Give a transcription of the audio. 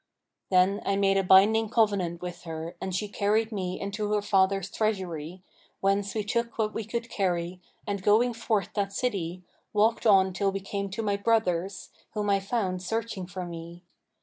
Then I made a binding covenant with her and she carried me into her father's treasury, whence we took what we could carry and going forth that city, walked on till we came to my brothers, whom I found searching for me.